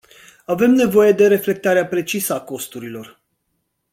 Avem nevoie de reflectarea precisă a costurilor.